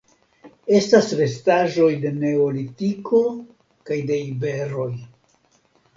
Estas restaĵoj de Neolitiko kaj de iberoj.